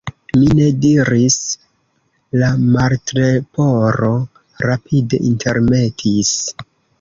"Mi ne diris," la Martleporo rapide intermetis.